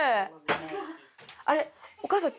あれお母さん